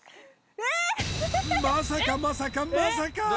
まさかまさかまさかー